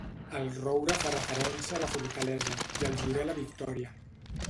El roure fa referència a la fortalesa, i el llorer a la victòria.